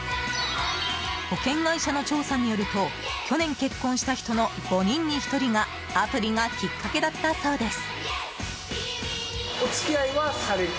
保険会社の調査によると去年結婚した人の５人に１人がアプリがきっかけだったそうです。